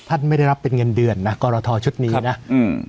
ท่านไม่ได้รับเป็นเงินเดือนนะกรทชุดนี้นะอืม